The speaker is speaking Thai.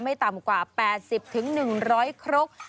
ต่ำกว่า๘๐๑๐๐ครก